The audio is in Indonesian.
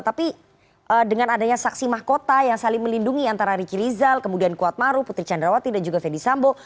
tapi dengan adanya saksi mahkota yang saling melindungi antara ricky rizal kemudian kuatmaru putri candrawati dan juga fendi sambo